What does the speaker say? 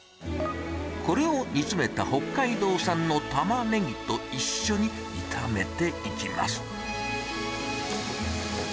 これを煮詰めた北海道産のタマネギと一緒に炒めていきます。